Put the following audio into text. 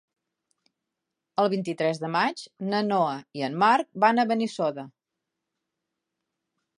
El vint-i-tres de maig na Noa i en Marc van a Benissoda.